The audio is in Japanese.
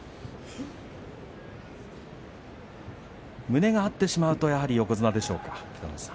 胸が合ってしまうとやはり横綱でしょうか。